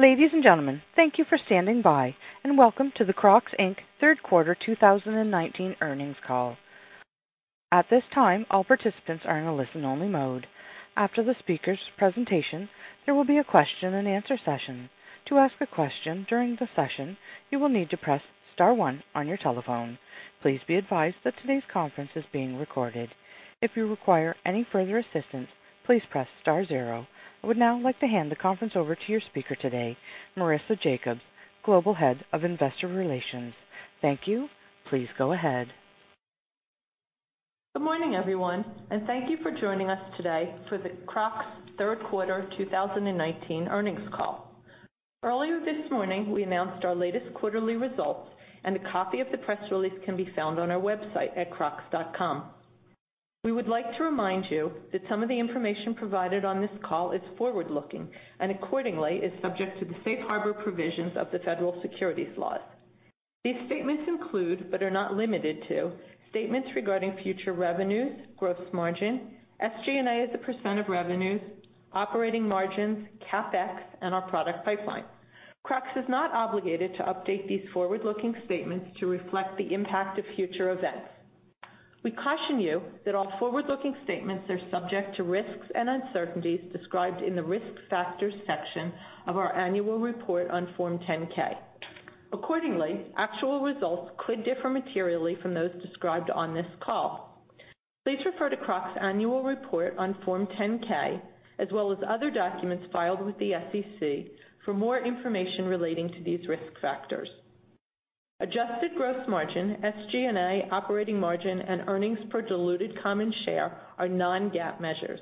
Ladies and gentlemen, thank you for standing by, and welcome to the Crocs, Inc. Third Quarter 2019 Earnings Call. At this time, all participants are in a listen-only mode. After the speakers' presentation, there will be a question and answer session. To ask a question during the session, you will need to press star one on your telephone. Please be advised that today's conference is being recorded. If you require any further assistance, please press star zero. I would now like to hand the conference over to your speaker today, Marisa Jacobs, Global Head of Investor Relations. Thank you. Please go ahead. Good morning, everyone, and thank you for joining us today for the Crocs Third Quarter 2019 Earnings Call. Earlier this morning, we announced our latest quarterly results, and a copy of the press release can be found on our website at crocs.com. We would like to remind you that some of the information provided on this call is forward-looking and accordingly is subject to the safe harbor provisions of the federal securities laws. These statements include, but are not limited to, statements regarding future revenues, gross margin, SG&A as a percent of revenues, operating margins, CapEx, and our product pipeline. Crocs is not obligated to update these forward-looking statements to reflect the impact of future events. We caution you that all forward-looking statements are subject to risks and uncertainties described in the Risk Factors section of our annual report on Form 10-K. Accordingly, actual results could differ materially from those described on this call. Please refer to Crocs' annual report on Form 10-K, as well as other documents filed with the SEC, for more information relating to these risk factors. Adjusted gross margin, SG&A, operating margin, and earnings per diluted common share are non-GAAP measures.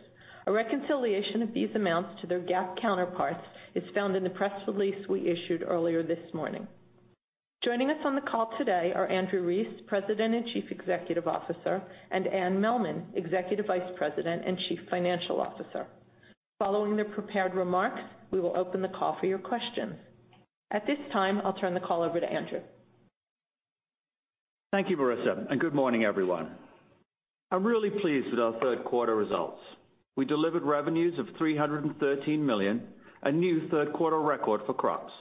A reconciliation of these amounts to their GAAP counterparts is found in the press release we issued earlier this morning. Joining us on the call today are Andrew Rees, President and Chief Executive Officer, and Anne Mehlman, Executive Vice President and Chief Financial Officer. Following their prepared remarks, we will open the call for your questions. At this time, I'll turn the call over to Andrew. Thank you, Marissa. Good morning, everyone. I'm really pleased with our third quarter results. We delivered revenues of $313 million, a new third quarter record for Crocs.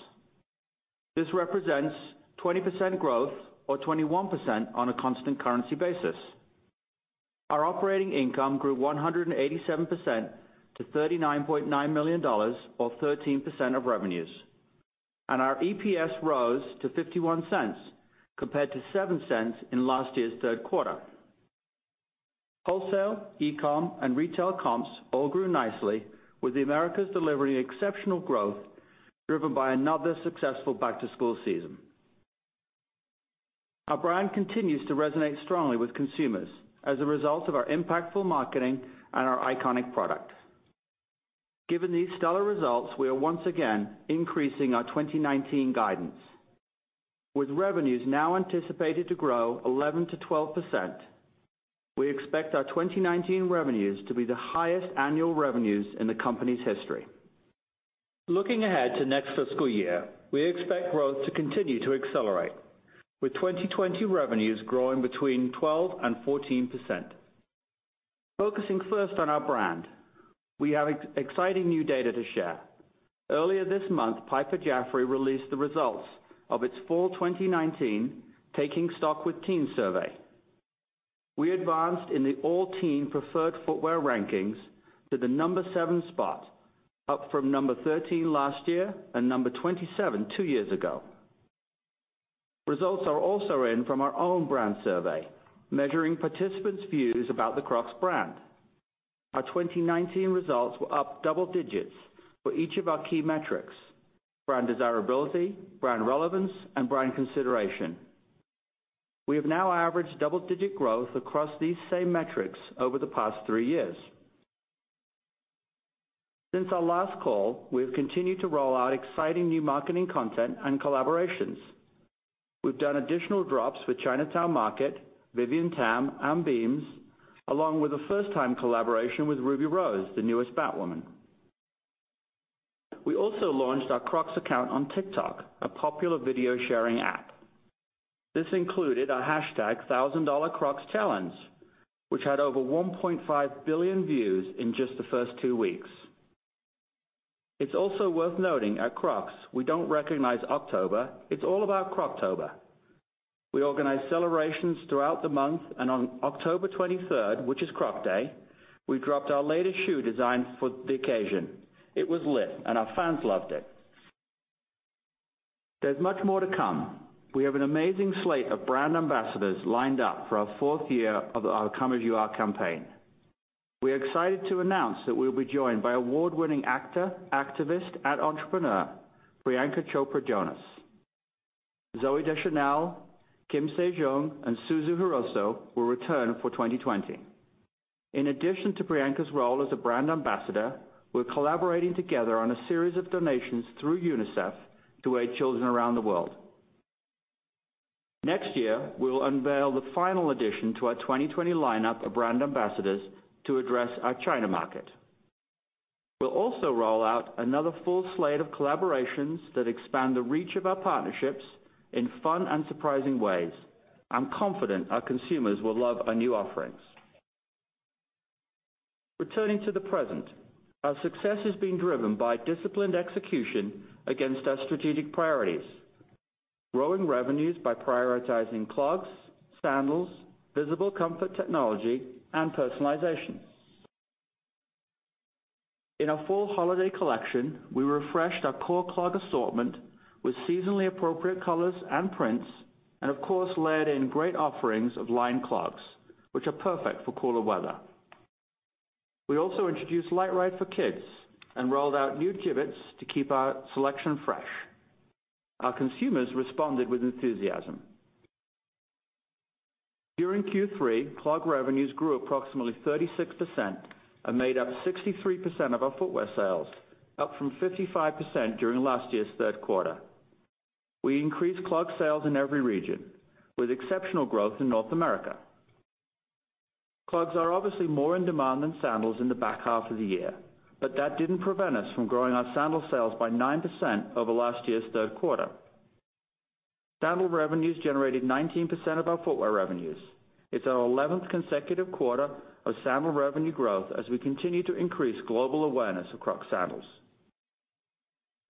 This represents 20% growth, or 21% on a constant currency basis. Our operating income grew 187% to $39.9 million, or 13% of revenues. Our EPS rose to $0.51 compared to $0.07 in last year's third quarter. Wholesale, e-com, and retail comps all grew nicely, with the Americas delivering exceptional growth driven by another successful back-to-school season. Our brand continues to resonate strongly with consumers as a result of our impactful marketing and our iconic product. Given these stellar results, we are once again increasing our 2019 guidance. With revenues now anticipated to grow 11%-12%, we expect our 2019 revenues to be the highest annual revenues in the company's history. Looking ahead to next fiscal year, we expect growth to continue to accelerate, with 2020 revenues growing between 12% and 14%. Focusing first on our brand, we have exciting new data to share. Earlier this month, Piper Jaffray released the results of its Fall 2019 Taking Stock with Teens survey. We advanced in the All Teen Preferred Footwear rankings to the number 7 spot, up from number 13 last year and number 27 two years ago. Results are also in from our own brand survey, measuring participants' views about the Crocs brand. Our 2019 results were up double digits for each of our key metrics: brand desirability, brand relevance, and brand consideration. We have now averaged double-digit growth across these same metrics over the past three years. Since our last call, we have continued to roll out exciting new marketing content and collaborations. We've done additional drops with Chinatown Market, Vivienne Tam, and Beams, along with a first-time collaboration with Ruby Rose, the newest Batwoman. We also launched our Crocs account on TikTok, a popular video-sharing app. This included our #ThousandDollarCrocsChallenge, which had over 1.5 billion views in just the first two weeks. It's also worth noting at Crocs, we don't recognize October, it's all about Croctober. We organized celebrations throughout the month, and on October 23rd, which is Croc Day, we dropped our latest shoe design for the occasion. It was lit, and our fans loved it. There's much more to come. We have an amazing slate of brand ambassadors lined up for our fourth year of our Come As You Are campaign. We are excited to announce that we will be joined by award-winning actor, activist, and entrepreneur Priyanka Chopra Jonas. Zooey Deschanel, Kim Sejeong, and Suzu Hirose will return for 2020. In addition to Priyanka's role as a brand ambassador, we're collaborating together on a series of donations through UNICEF to aid children around the world. Next year, we will unveil the final addition to our 2020 lineup of brand ambassadors to address our China market. We'll also roll out another full slate of collaborations that expand the reach of our partnerships in fun and surprising ways. I'm confident our consumers will love our new offerings. Returning to the present, our success is being driven by disciplined execution against our strategic priorities. Growing revenues by prioritizing clogs, sandals, visible comfort technology, and personalization. In our fall holiday collection, we refreshed our core clog assortment with seasonally appropriate colors and prints, and of course, layered in great offerings of lined clogs, which are perfect for cooler weather. We also introduced LiteRide for kids and rolled out new Jibbitz to keep our selection fresh. Our consumers responded with enthusiasm. During Q3, clog revenues grew approximately 36% and made up 63% of our footwear sales, up from 55% during last year's third quarter. Clogs are obviously more in demand than sandals in the back half of the year. That didn't prevent us from growing our sandal sales by 9% over last year's third quarter. Sandal revenues generated 19% of our footwear revenues. It's our 11th consecutive quarter of sandal revenue growth as we continue to increase global awareness of Crocs sandals.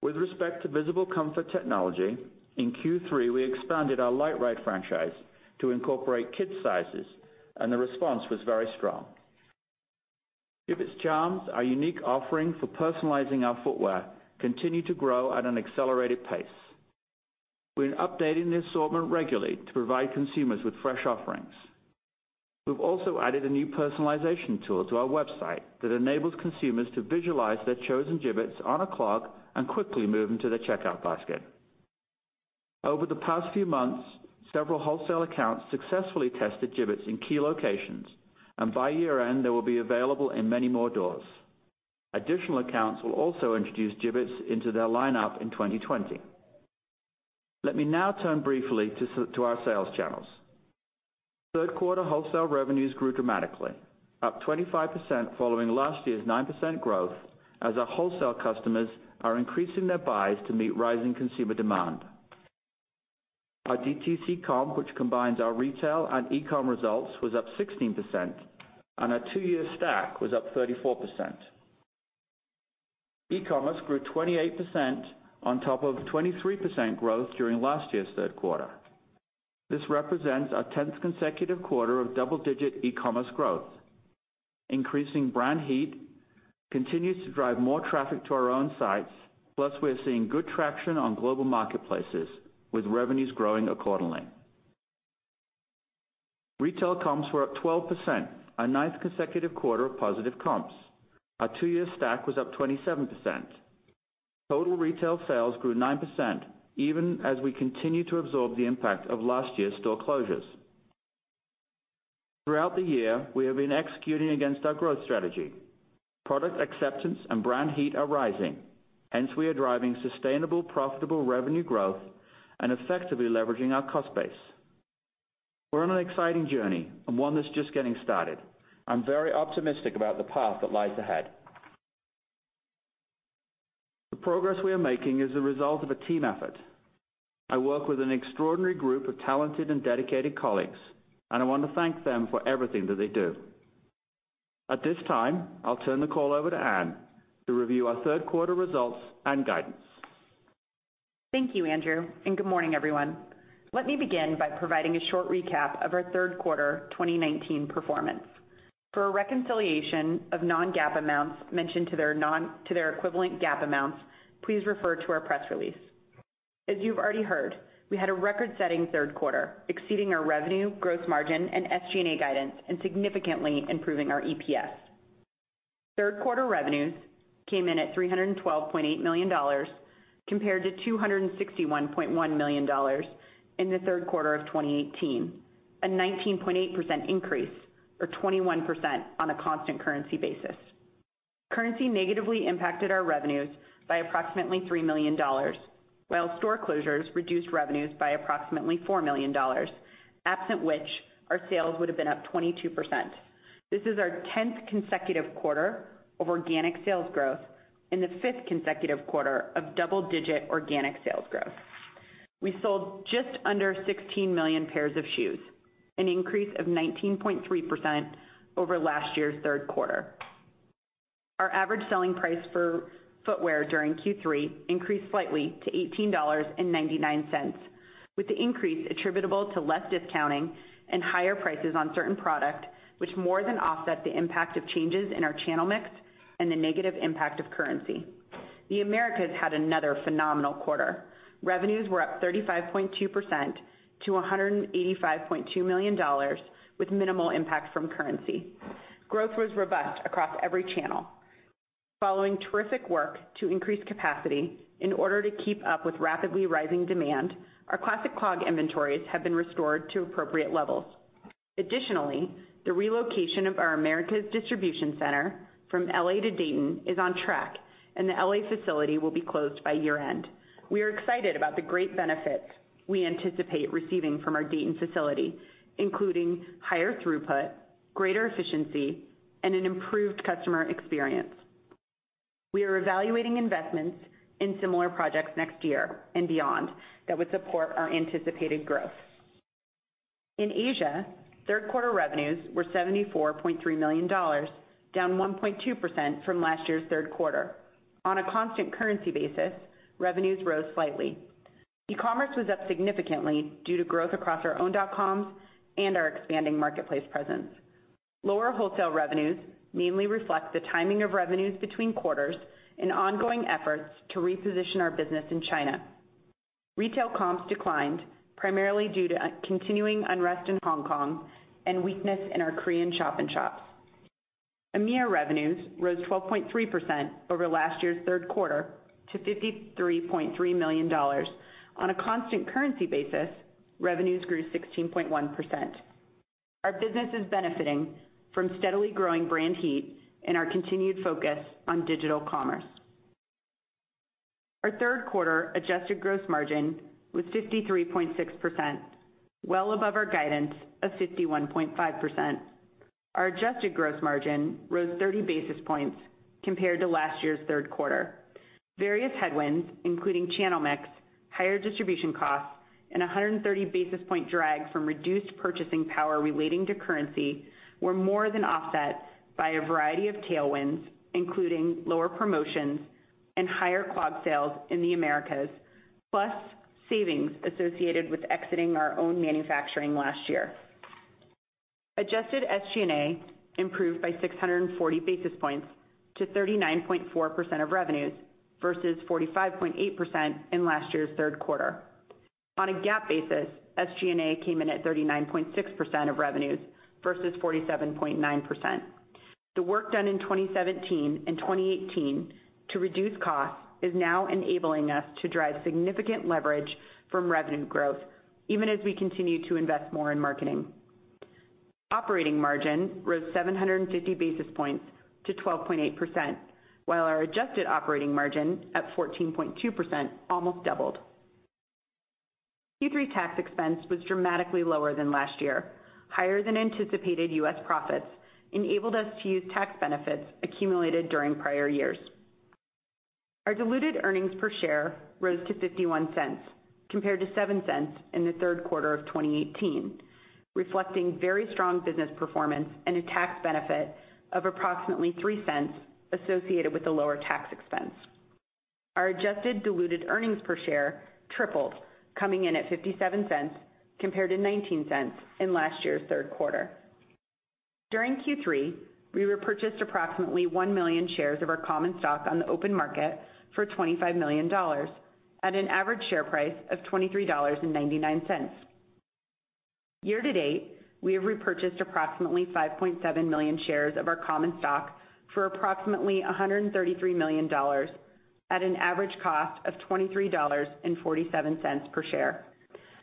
With respect to visible comfort technology, in Q3, we expanded our LiteRide franchise to incorporate kids' sizes, and the response was very strong. Jibbitz Charms, our unique offering for personalizing our footwear, continue to grow at an accelerated pace. We're updating the assortment regularly to provide consumers with fresh offerings. We've also added a new personalization tool to our website that enables consumers to visualize their chosen Jibbitz on a clog and quickly move them to the checkout basket. Over the past few months, several wholesale accounts successfully tested Jibbitz in key locations, and by year-end, they will be available in many more doors. Additional accounts will also introduce Jibbitz into their lineup in 2020. Let me now turn briefly to our sales channels. Third quarter wholesale revenues grew dramatically, up 25% following last year's 9% growth, as our wholesale customers are increasing their buys to meet rising consumer demand. Our DTC comp, which combines our retail and e-com results, was up 16%, and our two-year stack was up 34%. E-commerce grew 28% on top of 23% growth during last year's third quarter. This represents our 10th consecutive quarter of double-digit e-commerce growth. Increasing brand heat continues to drive more traffic to our own sites, plus we are seeing good traction on global marketplaces, with revenues growing accordingly. Retail comps were up 12%, our ninth consecutive quarter of positive comps. Our two-year stack was up 27%. Total retail sales grew 9%, even as we continue to absorb the impact of last year's store closures. Throughout the year, we have been executing against our growth strategy. Product acceptance and brand heat are rising. Hence, we are driving sustainable, profitable revenue growth and effectively leveraging our cost base. We're on an exciting journey and one that's just getting started. I'm very optimistic about the path that lies ahead. The progress we are making is a result of a team effort. I work with an extraordinary group of talented and dedicated colleagues, and I want to thank them for everything that they do. At this time, I'll turn the call over to Anne to review our third quarter results and guidance. Thank you, Andrew. Good morning, everyone. Let me begin by providing a short recap of our third quarter 2019 performance. For a reconciliation of non-GAAP amounts mentioned to their equivalent GAAP amounts, please refer to our press release. As you've already heard, we had a record-setting third quarter, exceeding our revenue, gross margin, and SG&A guidance and significantly improving our EPS. Third quarter revenues came in at $312.8 million compared to $261.1 million in the third quarter of 2018, a 19.8% increase or 21% on a constant currency basis. Currency negatively impacted our revenues by approximately $3 million while store closures reduced revenues by approximately $4 million, absent which our sales would have been up 22%. This is our 10th consecutive quarter of organic sales growth and the fifth consecutive quarter of double-digit organic sales growth. We sold just under 16 million pairs of shoes, an increase of 19.3% over last year's third quarter. Our average selling price for footwear during Q3 increased slightly to $18.99, with the increase attributable to less discounting and higher prices on certain product, which more than offset the impact of changes in our channel mix and the negative impact of currency. The Americas had another phenomenal quarter. Revenues were up 35.2% to $185.2 million with minimal impact from currency. Growth was robust across every channel. Following terrific work to increase capacity in order to keep up with rapidly rising demand, our Classic Clog inventories have been restored to appropriate levels. Additionally, the relocation of our Americas distribution center from L.A. to Dayton is on track, and the L.A. facility will be closed by year-end. We are excited about the great benefits we anticipate receiving from our Dayton facility, including higher throughput, greater efficiency, and an improved customer experience. We are evaluating investments in similar projects next year and beyond that would support our anticipated growth. In Asia, third quarter revenues were $74.3 million, down 1.2% from last year's third quarter. On a constant currency basis, revenues rose slightly. E-commerce was up significantly due to growth across our own dot-coms and our expanding marketplace presence. Lower wholesale revenues mainly reflect the timing of revenues between quarters and ongoing efforts to reposition our business in China. Retail comps declined, primarily due to continuing unrest in Hong Kong and weakness in our Korean shop-in-shops. EMEIA revenues rose 12.3% over last year's third quarter to $53.3 million. On a constant currency basis, revenues grew 16.1%. Our business is benefiting from steadily growing brand heat and our continued focus on digital commerce. Our third quarter adjusted gross margin was 53.6%, well above our guidance of 51.5%. Our adjusted gross margin rose 30 basis points compared to last year's third quarter. Various headwinds, including channel mix, higher distribution costs, and 130 basis point drag from reduced purchasing power relating to currency were more than offset by a variety of tailwinds, including lower promotions and higher clog sales in the Americas, plus savings associated with exiting our own manufacturing last year. Adjusted SG&A improved by 640 basis points to 39.4% of revenues, versus 45.8% in last year's third quarter. On a GAAP basis, SG&A came in at 39.6% of revenues versus 47.9%. The work done in 2017 and 2018 to reduce costs is now enabling us to drive significant leverage from revenue growth, even as we continue to invest more in marketing. Operating margin rose 750 basis points to 12.8%, while our adjusted operating margin, at 14.2%, almost doubled. Q3 tax expense was dramatically lower than last year. Higher than anticipated U.S. profits enabled us to use tax benefits accumulated during prior years. Our diluted earnings per share rose to $0.51 compared to $0.07 in the third quarter of 2018, reflecting very strong business performance and a tax benefit of approximately $0.03 associated with the lower tax expense. Our adjusted diluted earnings per share tripled, coming in at $0.57 compared to $0.19 in last year's third quarter. During Q3, we repurchased approximately 1 million shares of our common stock on the open market for $25 million at an average share price of $23.99. Year to date, we have repurchased approximately 5.7 million shares of our common stock for approximately $133 million at an average cost of $23.47 per share.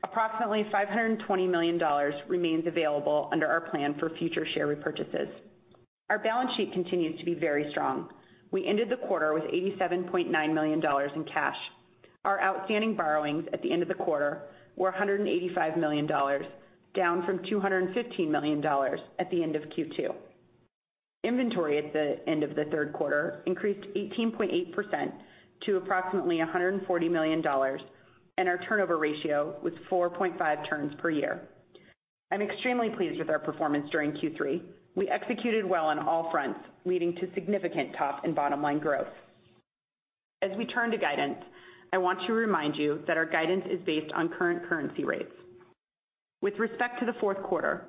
Approximately $520 million remains available under our plan for future share repurchases. Our balance sheet continues to be very strong. We ended the quarter with $87.9 million in cash. Our outstanding borrowings at the end of the quarter were $185 million, down from $215 million at the end of Q2. Inventory at the end of the third quarter increased 18.8% to approximately $140 million, and our turnover ratio was 4.5 turns per year. I'm extremely pleased with our performance during Q3. We executed well on all fronts, leading to significant top and bottom line growth. As we turn to guidance, I want to remind you that our guidance is based on current currency rates. With respect to the fourth quarter,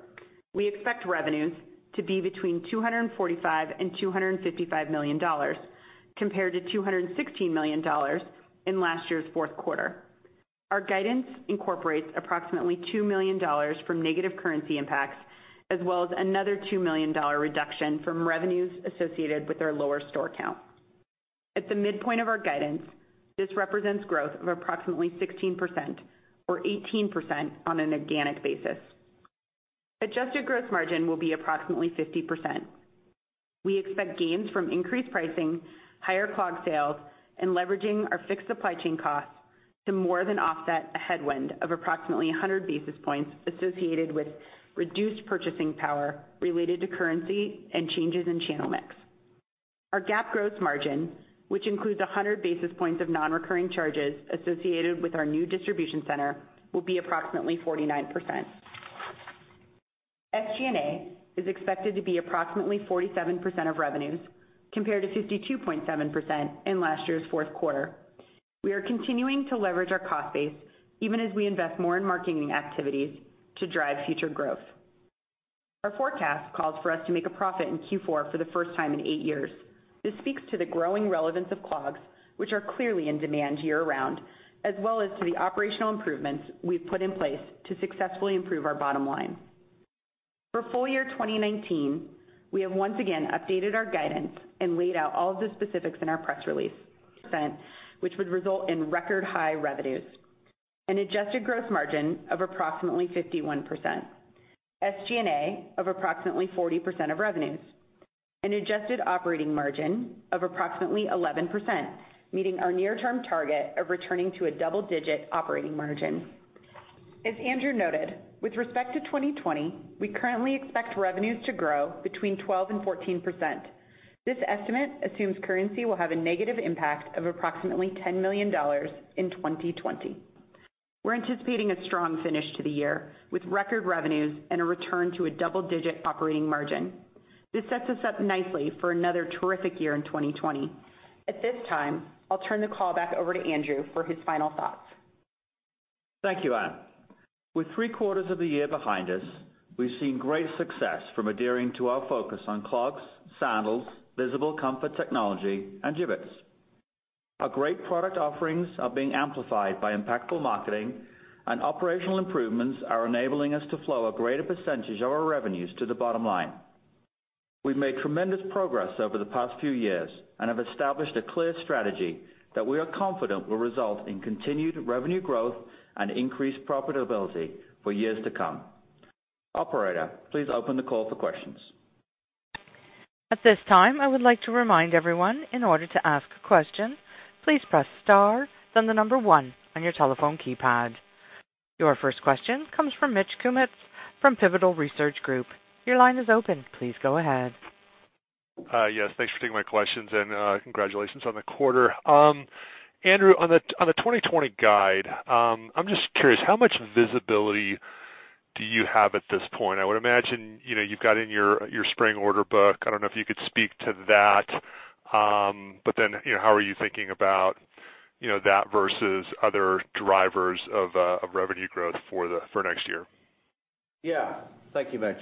we expect revenues to be between $245 million and $255 million, compared to $216 million in last year's fourth quarter. Our guidance incorporates approximately $2 million from negative currency impacts, as well as another $2 million reduction from revenues associated with our lower store count. At the midpoint of our guidance, this represents growth of approximately 16%, or 18% on an organic basis. Adjusted gross margin will be approximately 50%. We expect gains from increased pricing, higher clog sales, and leveraging our fixed supply chain costs to more than offset a headwind of approximately 100 basis points associated with reduced purchasing power related to currency and changes in channel mix. Our GAAP gross margin, which includes 100 basis points of non-recurring charges associated with our new distribution center, will be approximately 49%. SG&A is expected to be approximately 47% of revenues, compared to 52.7% in last year's fourth quarter. We are continuing to leverage our cost base even as we invest more in marketing activities to drive future growth. Our forecast calls for us to make a profit in Q4 for the first time in eight years. This speaks to the growing relevance of clogs, which are clearly in demand year-round, as well as to the operational improvements we've put in place to successfully improve our bottom line. For full year 2019, we have once again updated our guidance and laid out all of the specifics in our press release, which would result in record high revenues, an adjusted gross margin of approximately 51%, SG&A of approximately 40% of revenues, an adjusted operating margin of approximately 11%, meeting our near-term target of returning to a double-digit operating margin. As Andrew noted, with respect to 2020, we currently expect revenues to grow between 12% and 14%. This estimate assumes currency will have a negative impact of approximately $10 million in 2020. We're anticipating a strong finish to the year, with record revenues and a return to a double-digit operating margin. This sets us up nicely for another terrific year in 2020. At this time, I'll turn the call back over to Andrew for his final thoughts. Thank you, Anne. With three quarters of the year behind us, we've seen great success from adhering to our focus on clogs, sandals, visible comfort technology, and Jibbitz. Our great product offerings are being amplified by impactful marketing, and operational improvements are enabling us to flow a greater percentage of our revenues to the bottom line. We've made tremendous progress over the past few years and have established a clear strategy that we are confident will result in continued revenue growth and increased profitability for years to come. Operator, please open the call for questions. At this time, I would like to remind everyone, in order to ask a question, please press star, then the number one on your telephone keypad. Your first question comes from Mitch Kummetz from Pivotal Research Group. Your line is open. Please go ahead. Yes, thanks for taking my questions. Congratulations on the quarter. Andrew, on the 2020 guide, I'm just curious, how much visibility do you have at this point? I would imagine you've got in your spring order book. I don't know if you could speak to that. How are you thinking about that versus other drivers of revenue growth for next year? Thank you, Mitch.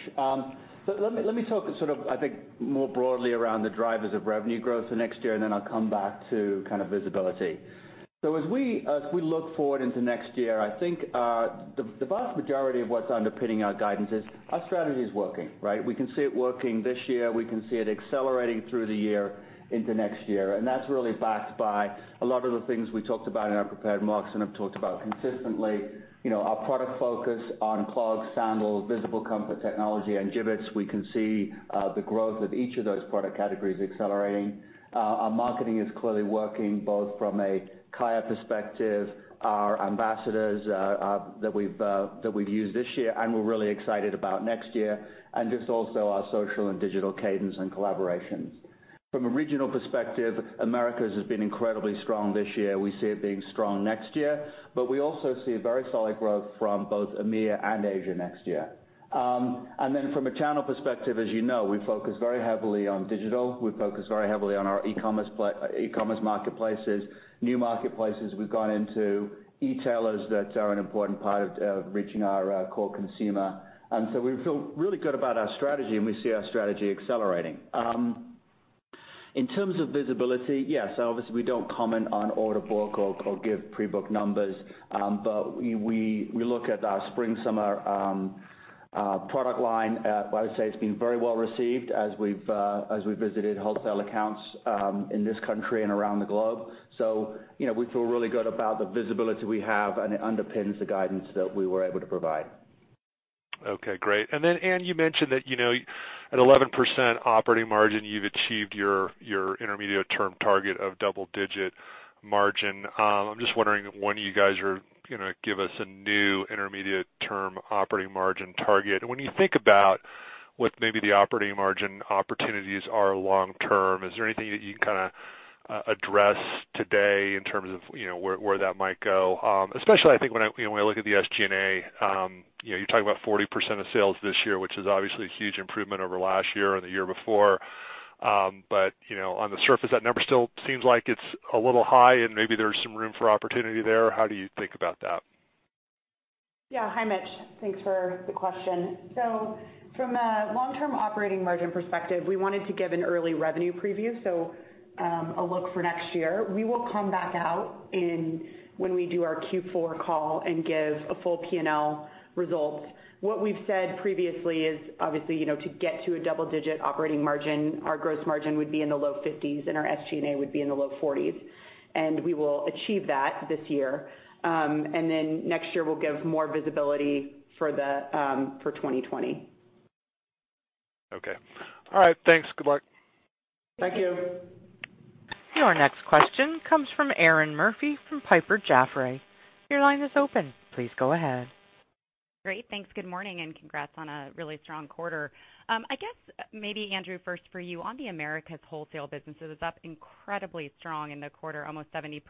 Let me talk sort of, I think, more broadly around the drivers of revenue growth for next year, and then I'll come back to kind of visibility. As we look forward into next year, I think the vast majority of what's underpinning our guidance is our strategy is working. Right? We can see it working this year. We can see it accelerating through the year into next year, and that's really backed by a lot of the things we talked about in our prepared remarks and have talked about consistently. Our product focus on clogs, sandals, visible comfort technology, and Jibbitz. We can see the growth of each of those product categories accelerating. Our marketing is clearly working both from a CAYA perspective, our ambassadors that we've used this year and we're really excited about next year, and just also our social and digital cadence and collaborations. From a regional perspective, Americas has been incredibly strong this year. We see it being strong next year. We also see very solid growth from both EMEA and Asia next year. From a channel perspective, as you know, we focus very heavily on digital. We focus very heavily on our e-commerce marketplaces, new marketplaces we've gone into, e-tailers that are an important part of reaching our core consumer. We feel really good about our strategy, and we see our strategy accelerating. In terms of visibility, yes, obviously, we don't comment on order book or give pre-book numbers. We look at our spring/summer product line. I would say it's been very well received as we've visited wholesale accounts in this country and around the globe. We feel really good about the visibility we have, and it underpins the guidance that we were able to provide. Okay, great. Anne, you mentioned that at 11% operating margin, you've achieved your intermediate term target of double digit margin. I'm just wondering when you guys are going to give us a new intermediate term operating margin target. When you think about what maybe the operating margin opportunities are long term, is there anything that you can kind of address today in terms of where that might go? Especially I think when I look at the SG&A, you're talking about 40% of sales this year, which is obviously a huge improvement over last year and the year before. On the surface, that number still seems like it's a little high and maybe there's some room for opportunity there. How do you think about that? Hi, Mitch. Thanks for the question. From a long-term operating margin perspective, we wanted to give an early revenue preview, so a look for next year. We will come back out when we do our Q4 call and give a full P&L result. What we've said previously is obviously to get to a double-digit operating margin, our gross margin would be in the low 50s, and our SG&A would be in the low 40s, and we will achieve that this year. Then next year, we'll give more visibility for 2020. Okay. All right, thanks. Good luck. Thank you. Your next question comes from Erinn Murphy from Piper Jaffray. Your line is open. Please go ahead. Great, thanks. Good morning, congrats on a really strong quarter. I guess maybe Andrew, first for you. On the Americas wholesale business, it was up incredibly strong in the quarter, almost 70%.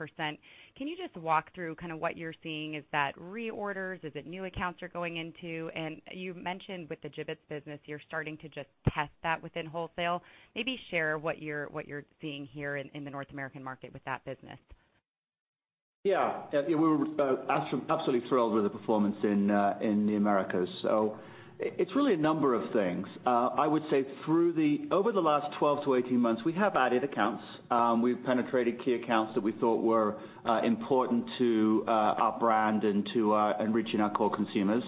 Can you just walk through kind of what you're seeing? Is that reorders? Is it new accounts you're going into? You mentioned with the Jibbitz business, you're starting to just test that within wholesale. Maybe share what you're seeing here in the North American market with that business. Yeah. We're absolutely thrilled with the performance in the Americas. It's really a number of things. I would say over the last 12 to 18 months, we have added accounts. We've penetrated key accounts that we thought were important to our brand and reaching our core consumers.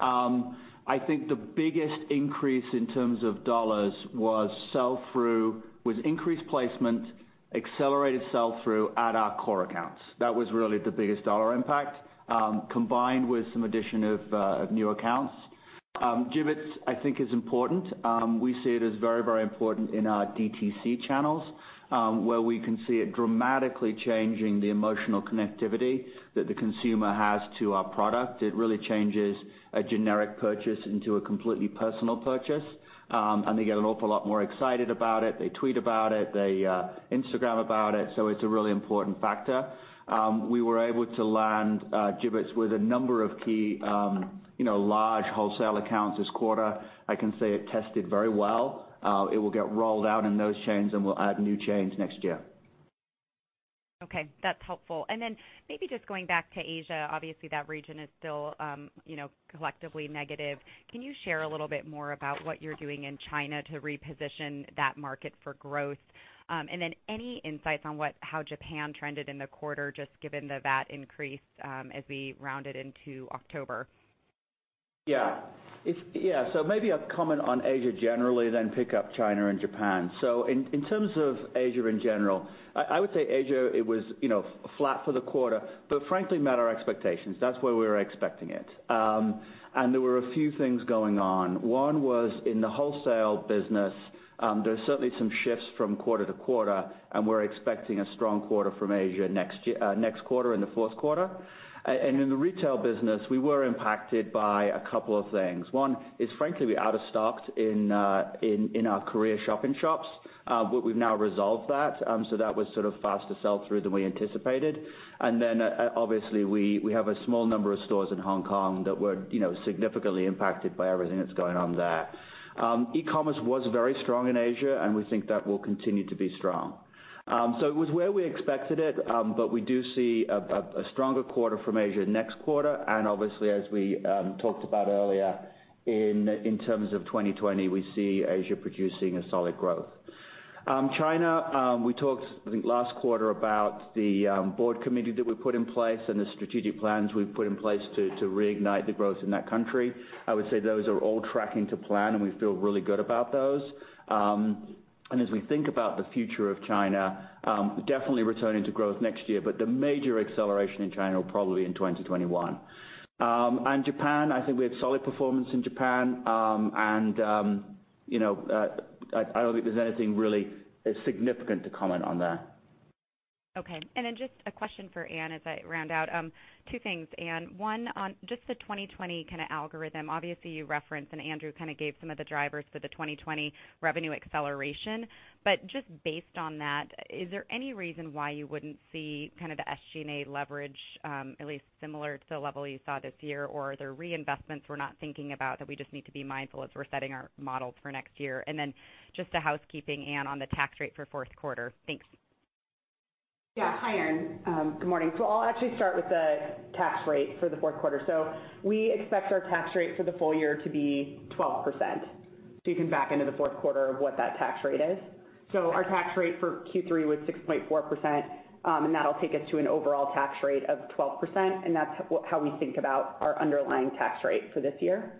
I think the biggest increase in terms of dollars was increased placement, accelerated sell-through at our core accounts. That was really the biggest dollar impact, combined with some addition of new accounts. Jibbitz, I think is important. We see it as very important in our DTC channels, where we can see it dramatically changing the emotional connectivity that the consumer has to our product. It really changes a generic purchase into a completely personal purchase. They get an awful lot more excited about it. They tweet about it, they Instagram about it. It's a really important factor. We were able to land Jibbitz with a number of key large wholesale accounts this quarter. I can say it tested very well. It will get rolled out in those chains. We'll add new chains next year. Okay. That's helpful. Maybe just going back to Asia, obviously that region is still collectively negative. Can you share a little bit more about what you're doing in China to reposition that market for growth? Any insights on how Japan trended in the quarter, just given the VAT increase as we rounded into October? Maybe I'll comment on Asia generally, then pick up China and Japan. In terms of Asia in general, I would say Asia, it was flat for the quarter, but frankly met our expectations. That's where we were expecting it. There were a few things going on. One was in the wholesale business. There's certainly some shifts from quarter to quarter, and we're expecting a strong quarter from Asia next quarter, in the fourth quarter. In the retail business, we were impacted by a couple of things. One is, frankly, we out of stocked in our career shopping shops. We've now resolved that. That was sort of faster sell-through than we anticipated. Obviously, we have a small number of stores in Hong Kong that were significantly impacted by everything that's going on there. E-commerce was very strong in Asia, and we think that will continue to be strong. It was where we expected it, but we do see a stronger quarter from Asia next quarter. Obviously, as we talked about earlier in terms of 2020, we see Asia producing a solid growth. China, we talked, I think, last quarter about the board committee that we put in place and the strategic plans we put in place to reignite the growth in that country. I would say those are all tracking to plan, and we feel really good about those. As we think about the future of China, definitely returning to growth next year, but the major acceleration in China will probably be in 2021. Japan, I think we have solid performance in Japan. I don't think there's anything really significant to comment on there. Okay. Then just a question for Anne as I round out. Two things, Anne. One on just the 2020 kind of algorithm. Obviously, you referenced, Andrew kind of gave some of the drivers for the 2020 revenue acceleration. Just based on that, is there any reason why you wouldn't see kind of the SG&A leverage at least similar to the level you saw this year? Are there reinvestments we're not thinking about that we just need to be mindful as we're setting our models for next year? Then just a housekeeping, Anne, on the tax rate for fourth quarter. Thanks. Yeah. Hi, Erinn. Good morning. I'll actually start with the tax rate for the fourth quarter. We expect our tax rate for the full year to be 12%. You can back into the fourth quarter of what that tax rate is. Our tax rate for Q3 was 6.4%, and that'll take us to an overall tax rate of 12%, and that's how we think about our underlying tax rate for this year.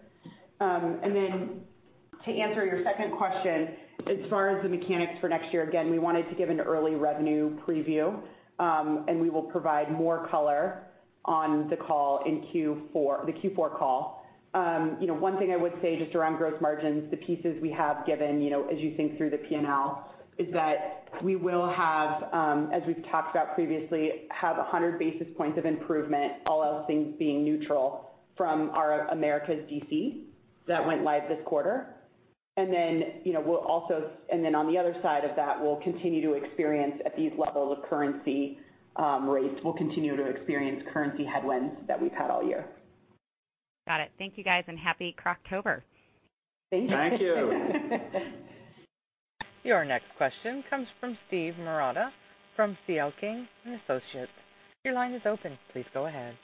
To answer your second question, as far as the mechanics for next year, again, we wanted to give an early revenue preview. We will provide more color on the call in the Q4 call. One thing I would say just around gross margins, the pieces we have given as you think through the P&L, is that we will have, as we've talked about previously, have 100 basis points of improvement, all else things being neutral from our Americas DC that went live this quarter. On the other side of that, we'll continue to experience at these levels of currency rates. We'll continue to experience currency headwinds that we've had all year. Got it. Thank you guys, and happy Croctober. Thank you. Thank you. Your next question comes from Steven Marotta from C.L. King & Associates. Your line is open. Please go ahead.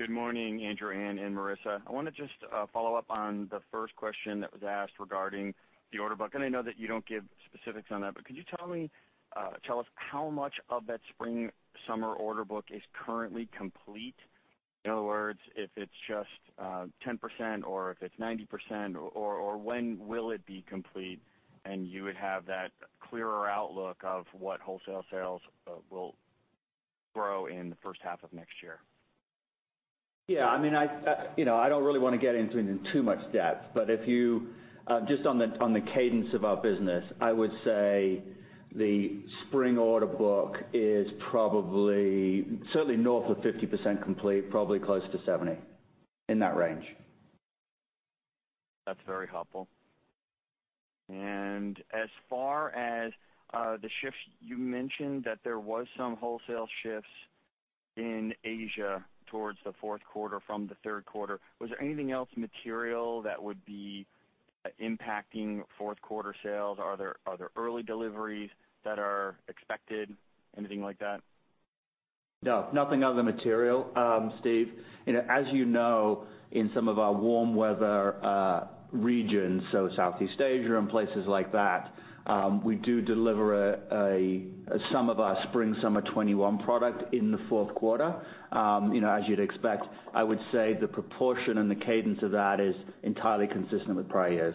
Good morning, Andrew, Anne, and Marisa. I want to just follow up on the first question that was asked regarding the order book. I know that you don't give specifics on that, but could you tell us how much of that spring/summer order book is currently complete? In other words, if it's just 10% or if it's 90%, or when will it be complete and you would have that clearer outlook of what wholesale sales will grow in the first half of next year? Yeah. I don't really want to get into too much depth, but just on the cadence of our business, I would say the spring order book is probably certainly north of 50% complete, probably close to 70, in that range. That's very helpful. As far as the shifts, you mentioned that there was some wholesale shifts in Asia towards the fourth quarter from the third quarter. Was there anything else material that would be impacting fourth quarter sales? Are there early deliveries that are expected, anything like that? No, nothing of the material, Steve. As you know, in some of our warm weather regions, so Southeast Asia and places like that, we do deliver some of our spring/summer '21 product in the fourth quarter as you'd expect. I would say the proportion and the cadence of that is entirely consistent with prior years.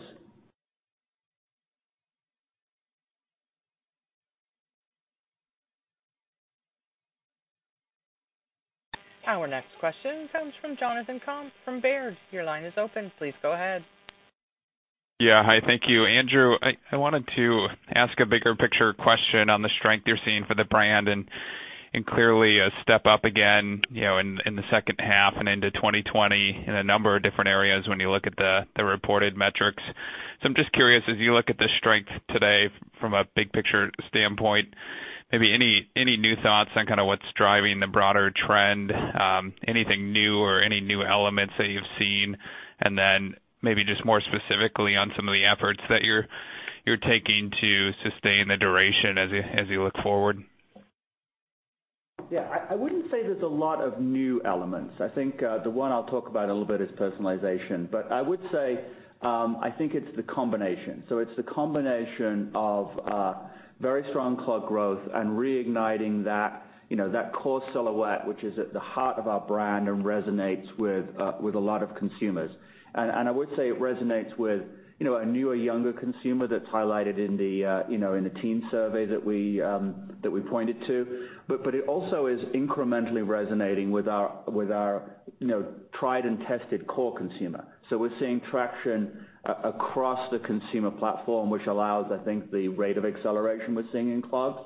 Our next question comes from Jonathan Komp from Baird. Your line is open. Please go ahead. Yeah. Hi, thank you. Andrew, I wanted to ask a bigger picture question on the strength you're seeing for the brand, clearly a step up again in the second half and into 2020 in a number of different areas when you look at the reported metrics. I'm just curious, as you look at the strength today from a big picture standpoint, maybe any new thoughts on what's driving the broader trend? Anything new or any new elements that you've seen? Maybe just more specifically on some of the efforts that you're taking to sustain the duration as you look forward. Yeah, I wouldn't say there's a lot of new elements. I think, the one I'll talk about a little bit is personalization. I would say, I think it's the combination. It's the combination of very strong clog growth and reigniting that core silhouette, which is at the heart of our brand and resonates with a lot of consumers. I would say it resonates with a newer, younger consumer that's highlighted in the team survey that we pointed to. It also is incrementally resonating with our tried and tested core consumer. We're seeing traction across the consumer platform, which allows, I think, the rate of acceleration we're seeing in clogs.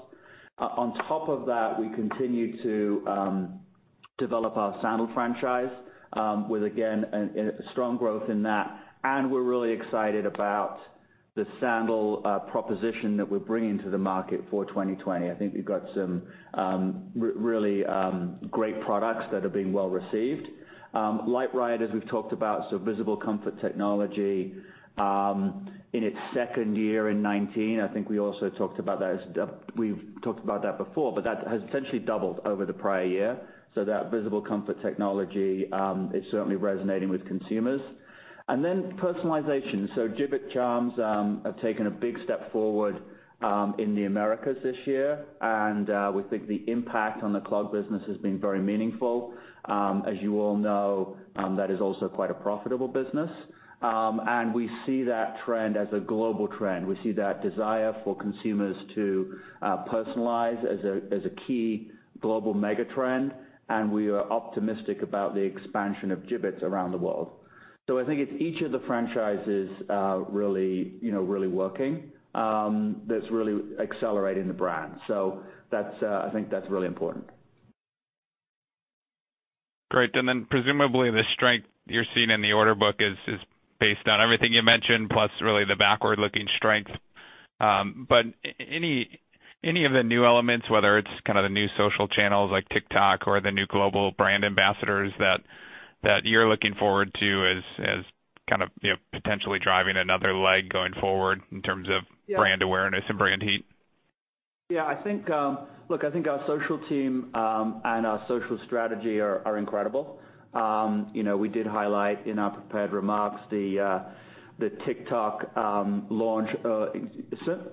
On top of that, we continue to develop our sandal franchise, with again, strong growth in that, and we're really excited about the sandal proposition that we're bringing to the market for 2020. I think we've got some really great products that are being well-received. LiteRide, as we've talked about, visible comfort technology, in its second year in 2019. I think we also talked about that. That has essentially doubled over the prior year. That visible comfort technology is certainly resonating with consumers. Personalization. Jibbitz charms have taken a big step forward in the Americas this year, and we think the impact on the clog business has been very meaningful. As you all know, that is also quite a profitable business. We see that trend as a global trend. We see that desire for consumers to personalize as a key global mega trend, and we are optimistic about the expansion of Jibbitz around the world. I think it's each of the franchises really working, that's really accelerating the brand. I think that's really important. Great. Presumably, the strength you're seeing in the order book is based on everything you mentioned, plus really the backward-looking strength. Any of the new elements, whether it's the new social channels like TikTok or the new global brand ambassadors that you're looking forward to as potentially driving another leg going forward in terms of brand awareness and brand heat? Yeah. Look, I think our social team, and our social strategy are incredible. We did highlight in our prepared remarks the TikTok launch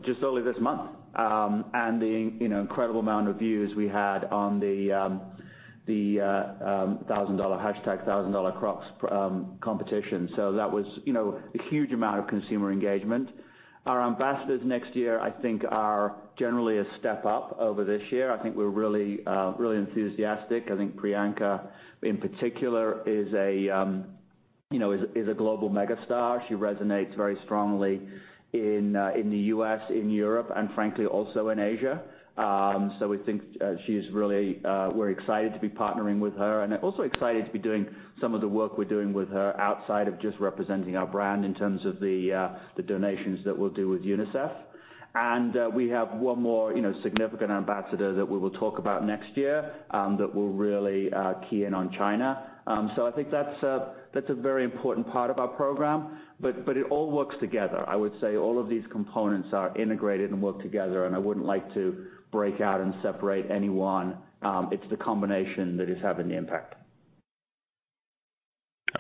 just early this month. The incredible amount of views we had on the #ThousandDollarCrocsChallenge. That was a huge amount of consumer engagement. Our ambassadors next year, I think, are generally a step up over this year. I think we're really enthusiastic. I think Priyanka, in particular, is a global mega star. She resonates very strongly in the U.S., in Europe, and frankly, also in Asia. We're excited to be partnering with her, and also excited to be doing some of the work we're doing with her outside of just representing our brand in terms of the donations that we'll do with UNICEF. We have one more significant ambassador that we will talk about next year, that will really key in on China. I think that's a very important part of our program, but it all works together. I would say all of these components are integrated and work together, and I wouldn't like to break out and separate any one. It's the combination that is having the impact.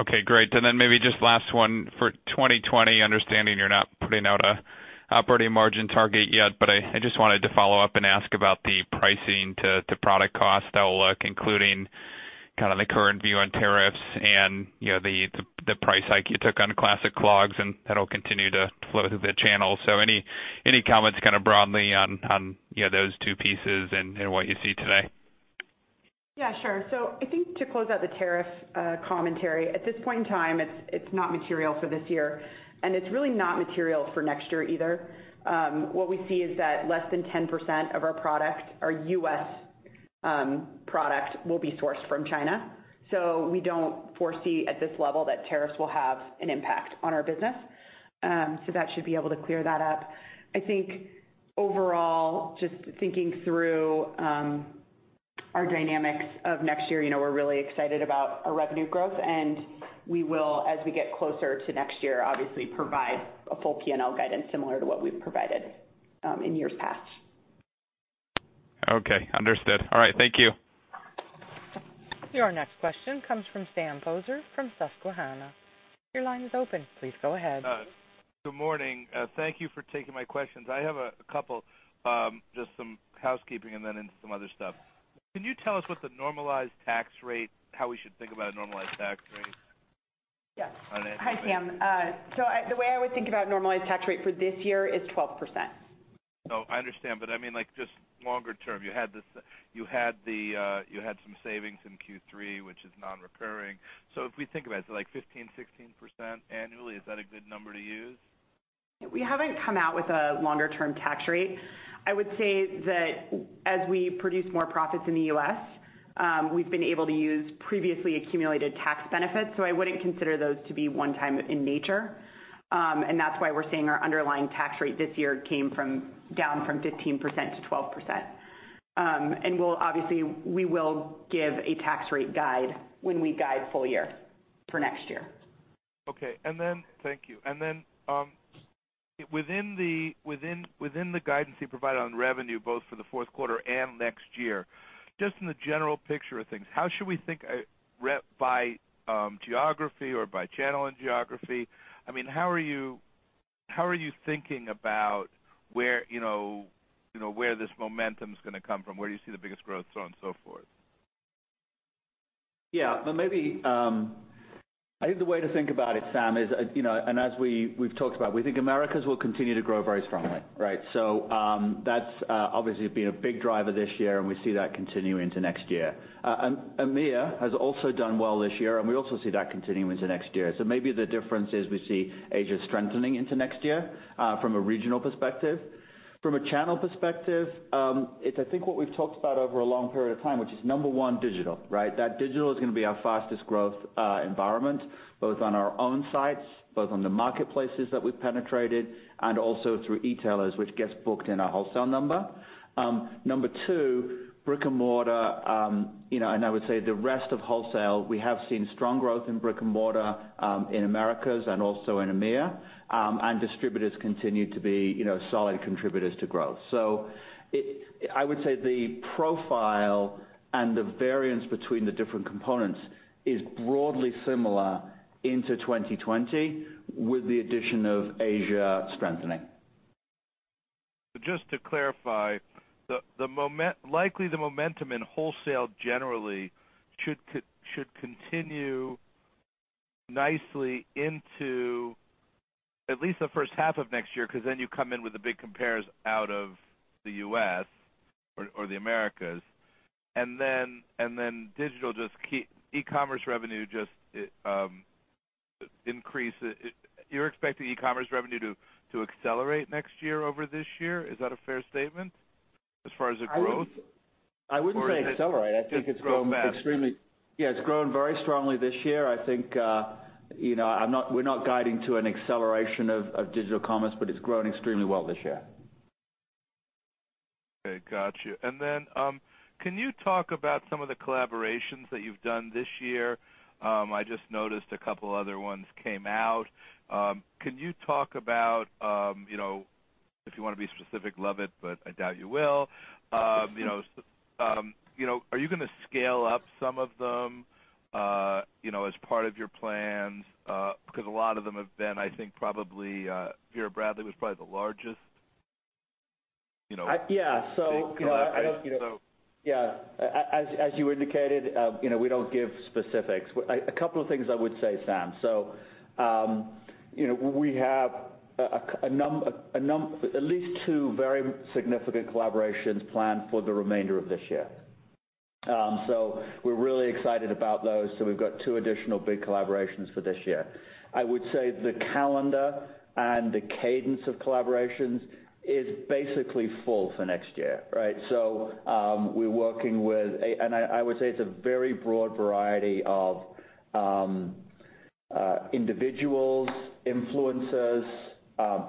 Okay, great. Maybe just last one for 2020, understanding you're not putting out a operating margin target yet, I just wanted to follow up and ask about the pricing to product cost outlook, including the current view on tariffs and the price hike you took on Classic Clogs and that'll continue to flow through the channel. Any comments broadly on those two pieces and what you see today? Yeah, sure. I think to close out the tariff commentary, at this point in time, it's not material for this year. It's really not material for next year either. What we see is that less than 10% of our product, our U.S. product, will be sourced from China. We don't foresee at this level that tariffs will have an impact on our business. That should be able to clear that up. I think overall, just thinking through our dynamics of next year, we're really excited about our revenue growth, and we will, as we get closer to next year, obviously provide a full P&L guidance similar to what we've provided in years past. Okay. Understood. All right. Thank you. Your next question comes from Sam Poser from Susquehanna. Your line is open. Please go ahead. Good morning. Thank you for taking my questions. I have a couple, just some housekeeping and then into some other stuff. Can you tell us what the normalized tax rate, how we should think about a normalized tax rate? Yes. Hi, Sam. The way I would think about normalized tax rate for this year is 12%. I understand, but just longer term, you had some savings in Q3, which is non-recurring. If we think about it, so like 15%, 16% annually, is that a good number to use? We haven't come out with a longer-term tax rate. I would say that as we produce more profits in the U.S., we've been able to use previously accumulated tax benefits, so I wouldn't consider those to be one time in nature. That's why we're saying our underlying tax rate this year came down from 15% to 12%. Obviously, we will give a tax rate guide when we guide full year for next year. Okay. Thank you. Then, within the guidance you provided on revenue, both for the fourth quarter and next year, just in the general picture of things, how should we think by geography or by channel and geography? How are you thinking about where this momentum's going to come from? Where do you see the biggest growth, so on and so forth? Yeah. I think the way to think about it, Sam, and as we've talked about, we think Americas will continue to grow very strongly, right? That's obviously been a big driver this year, and we see that continuing into next year. EMEA has also done well this year, and we also see that continuing into next year. Maybe the difference is we see Asia strengthening into next year, from a regional perspective. From a channel perspective, it's I think what we've talked about over a long period of time, which is number one, digital, right? That digital is going to be our fastest growth environment, both on our own sites, both on the marketplaces that we've penetrated, and also through e-tailers, which gets booked in our wholesale number. Number two, brick-and-mortar, and I would say the rest of wholesale. We have seen strong growth in brick-and-mortar in Americas and also in EMEA. Distributors continue to be solid contributors to growth. I would say the profile and the variance between the different components is broadly similar into 2020 with the addition of Asia strengthening. Just to clarify, likely the momentum in wholesale generally should continue nicely into at least the first half of next year, because then you come in with the big compares out of the U.S. or the Americas. Digital, e-commerce revenue just increases. You're expecting e-commerce revenue to accelerate next year over this year. Is that a fair statement as far as the growth? I wouldn't say accelerate. Just grow fast. I think it's grown very strongly this year. We're not guiding to an acceleration of digital commerce, but it's grown extremely well this year. Okay, got you. Can you talk about some of the collaborations that you've done this year? I just noticed a couple other ones came out. Can you talk about, if you want to be specific, love it, but I doubt you will. Are you going to scale up some of them as part of your plans? A lot of them have been, I think probably, Vera Bradley was probably the largest. Yeah. So- Yeah. As you indicated, we don't give specifics. A couple of things I would say, Sam. We have at least two very significant collaborations planned for the remainder of this year. We're really excited about those. We've got two additional big collaborations for this year. I would say the calendar and the cadence of collaborations is basically full for next year, right? We're working with a very broad variety of individuals, influencers,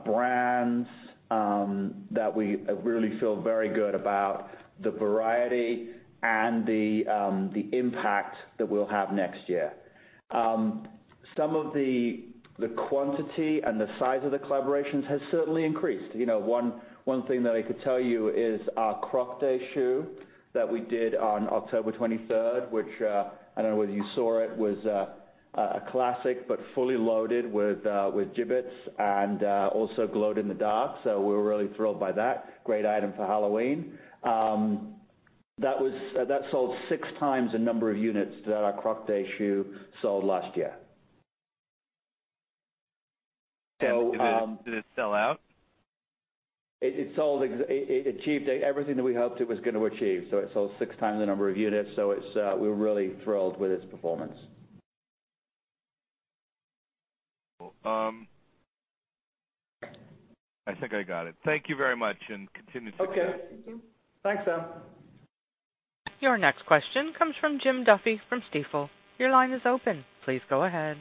brands, that we really feel very good about the variety and the impact that we'll have next year. Some of the quantity and the size of the collaborations has certainly increased. One thing that I could tell you is our Croc Day shoe that we did on October 23rd, which, I don't know whether you saw it, was a classic, but fully loaded with Jibbitz and also glowed in the dark. We were really thrilled by that. Great item for Halloween. That sold six times the number of units that our Croc Day shoe sold last year. Did it sell out? It achieved everything that we hoped it was going to achieve. It sold six times the number of units. We were really thrilled with its performance. Cool. I think I got it. Thank you very much, and continue the day. Okay. Thank you. Thanks, Sam. Your next question comes from Jim Duffy from Stifel. Your line is open. Please go ahead.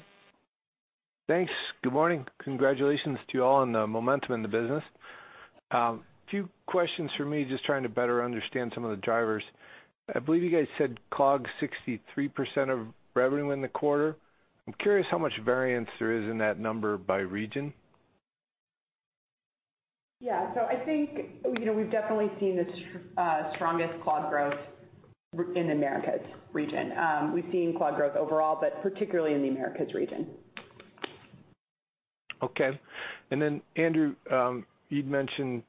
Thanks. Good morning. Congratulations to you all on the momentum in the business. A few questions from me, just trying to better understand some of the drivers. I believe you guys said clog 63% of revenue in the quarter. I'm curious how much variance there is in that number by region. I think we've definitely seen the strongest clog growth in the Americas region. We've seen clog growth overall, but particularly in the Americas region. Okay. Andrew, you'd mentioned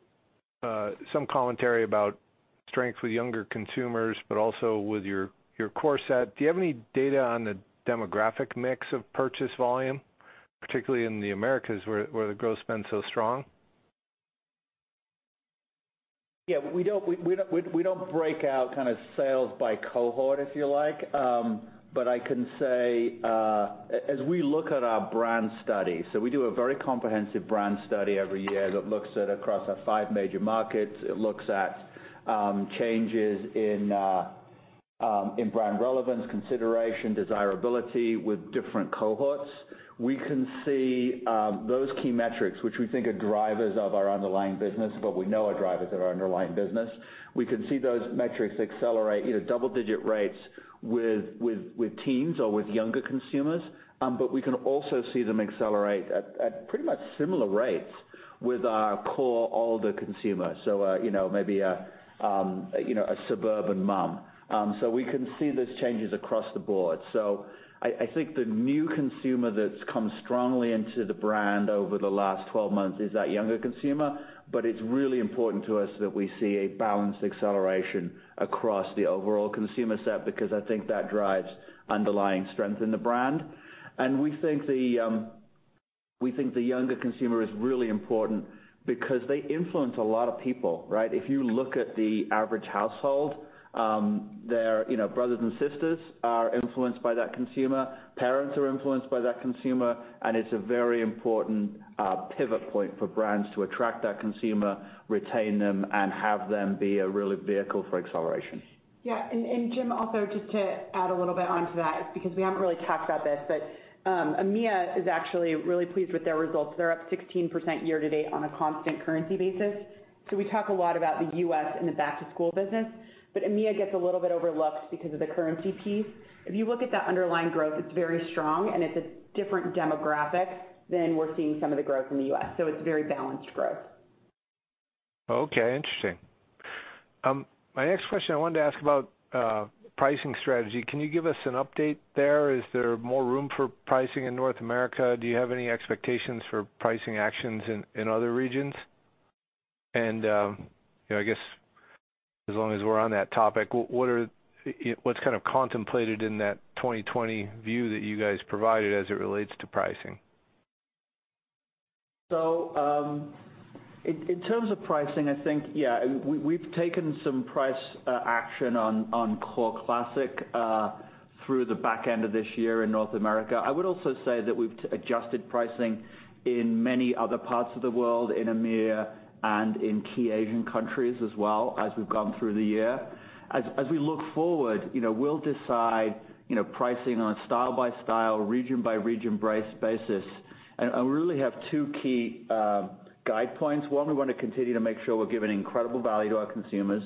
some commentary about strength with younger consumers, but also with your core set. Do you have any data on the demographic mix of purchase volume, particularly in the Americas, where the growth's been so strong? Yeah. We don't break out sales by cohort, if you like. I can say, as we look at our brand study, we do a very comprehensive brand study every year that looks at across our five major markets. It looks at changes in brand relevance, consideration, desirability with different cohorts. We can see those key metrics, which we think are drivers of our underlying business, but we know are drivers of our underlying business. We can see those metrics accelerate either double-digit rates with teens or with younger consumers. We can also see them accelerate at pretty much similar rates with our core older consumer. Maybe a suburban mom. We can see those changes across the board. I think the new consumer that's come strongly into the brand over the last 12 months is that younger consumer. It's really important to us that we see a balanced acceleration across the overall consumer set, because I think that drives underlying strength in the brand. We think the younger consumer is really important because they influence a lot of people, right? If you look at the average household, their brothers and sisters are influenced by that consumer. Parents are influenced by that consumer, and it's a very important pivot point for brands to attract that consumer, retain them, and have them be a really vehicle for acceleration. Yeah. Jim, also, just to add a little bit onto that, because we haven't really talked about this, but EMEA is actually really pleased with their results. They're up 16% year-to-date on a constant currency basis. We talk a lot about the U.S. and the back-to-school business, but EMEA gets a little bit overlooked because of the currency piece. If you look at that underlying growth, it's very strong, and it's a different demographic than we're seeing some of the growth in the U.S. It's very balanced growth. Okay, interesting. My next question, I wanted to ask about pricing strategy. Can you give us an update there? Is there more room for pricing in North America? Do you have any expectations for pricing actions in other regions? I guess as long as we're on that topic, what's contemplated in that 2020 view that you guys provided as it relates to pricing? In terms of pricing, I think, yeah, we've taken some price action on core Classic through the back end of this year in North America. I would also say that we've adjusted pricing in many other parts of the world, in EMEA and in key Asian countries as well, as we've gone through the year. As we look forward, we'll decide pricing on a style-by-style, region-by-region basis. We really have two key guide points. One, we want to continue to make sure we're giving incredible value to our consumers,